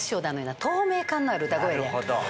なるほど。